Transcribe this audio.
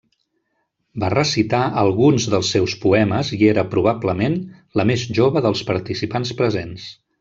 Va recitar alguns dels seus poemes i era, probablement, la més jove dels participants presents.